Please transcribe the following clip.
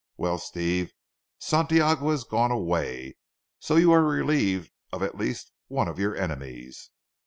Well Steve, Santiago has gone away, so you are relieved of at least one of your enemies.